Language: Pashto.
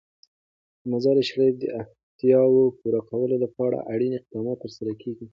د مزارشریف د اړتیاوو پوره کولو لپاره اړین اقدامات ترسره کېږي.